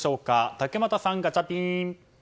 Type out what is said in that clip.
竹俣さん、ガチャピン。